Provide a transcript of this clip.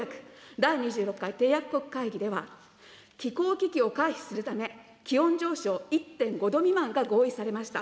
第２６回締約国会議では、気候危機を回避するため、気温上昇１．５度未満が合意されました。